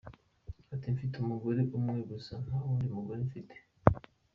Ati “Mfite umugore umwe gusa, nta wundi mugore mfite.